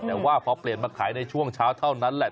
แต่ว่าพอเปลี่ยนมาขายในช่วงเช้าเท่านั้นแหละ